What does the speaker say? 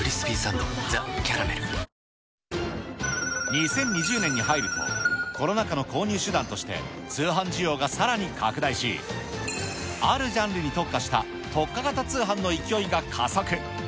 ２０２０年に入ると、コロナ禍の購入手段として、通販需要がさらに拡大し、あるジャンルに特化した特化型通販の勢いが加速。